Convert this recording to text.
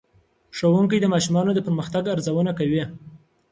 ښوونکی د ماشومانو د پرمختګ ارزونه کوي.